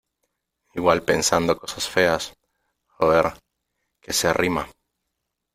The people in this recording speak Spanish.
igual pensando cosas feas ... joder , que se arrima .